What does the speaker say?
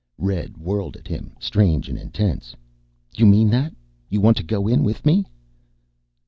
Red whirled at him, strange and intense. "You meant that? You want to go in with me?"